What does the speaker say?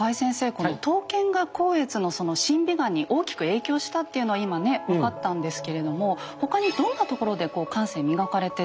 この刀剣が光悦の審美眼に大きく影響したっていうのは今ねっ分かったんですけれども他にどんなところでこう感性磨かれてったんでしょうか？